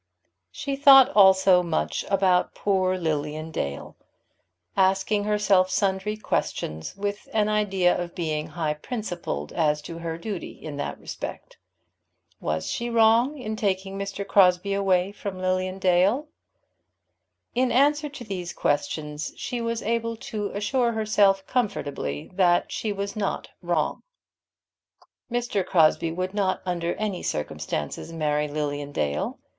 She thought also much about poor Lilian Dale, asking herself sundry questions, with an idea of being high principled as to her duty in that respect. Was she wrong in taking Mr. Crosbie away from Lilian Dale? In answer to these questions she was able to assure herself comfortably that she was not wrong. Mr. Crosbie would not, under any circumstances, marry Lilian Dale.